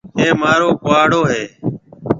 اَي مهارو ڪُهاڙو هيَ۔